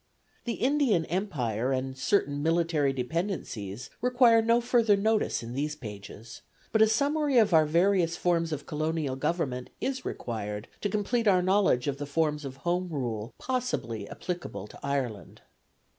The Indian Empire and certain military dependencies require no further notice in these pages; but a summary of our various forms of colonial government is required to complete our knowledge of the forms of Home Rule possibly applicable to Ireland.